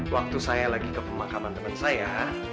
waktu saya lagi ke pemakaman teman saya